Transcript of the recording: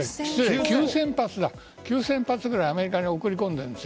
９０００発くらいアメリカに送り込んでいるんです。